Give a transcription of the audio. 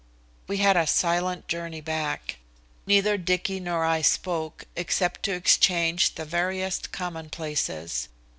We had a silent journey back. Neither Dicky nor I spoke, except to exchange the veriest commonplaces.